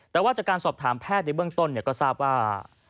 แต่ว่าจากการสอบถามแพทย์ในเบื้องต้นก็ทราบว่า